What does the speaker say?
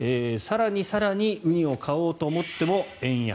更に、ウニを買おうと思っても円安。